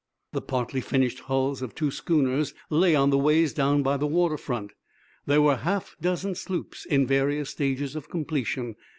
The partly finished hulls of two schooners lay on the ways down by the water front. There were half a dozen sloops in various stages of completion.